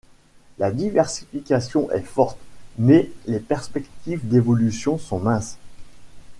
La diversification est forte, mais les perspectives d’évolution sont minces.